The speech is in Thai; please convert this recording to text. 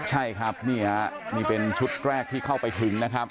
ใช่ครับนี่ฮะนี่เป็นชุดแรกที่เข้าไปถึงนะครับ